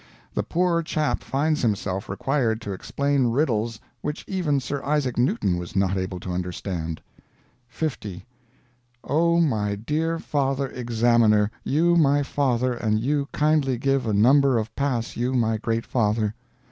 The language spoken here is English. The poor chap finds himself required to explain riddles which even Sir Isaac Newton was not able to understand: "50. Oh my dear father examiner you my father and you kindly give a number of pass you my great father.